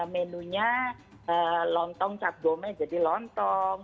menunya lontong cap gome jadi lontong